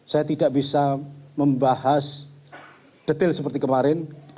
saya tidak bisa membahas detail seperti kemarin